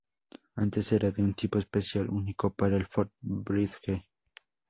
Antes, eran de un tipo especial, único para el Forth Bridge.